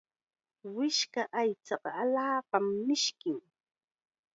Wishka aychaqa allaapam mishkin.